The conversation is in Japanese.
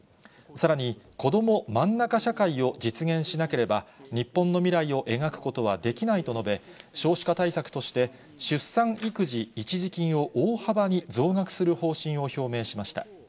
さらに、こどもまんなか社会を実現しなければ、日本の未来を描くことはできないと述べ、少子化対策として、出産育児一時金を大幅に増額する方針を表明しました。